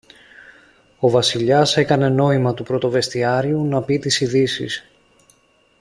Ο Βασιλιάς έκανε νόημα του πρωτοβεστιάριου να πει τις ειδήσεις.